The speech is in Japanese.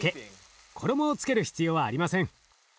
衣をつける必要はありません。